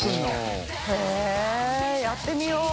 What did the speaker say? へぇやってみよう！